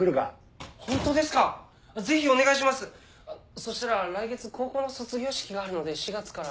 そしたら来月高校の卒業式があるので４月から。